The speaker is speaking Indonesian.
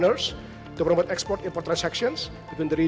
untuk mendukung perusahaan untuk memperkuat transaksi antara negara